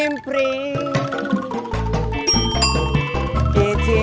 gue pengen jaga roy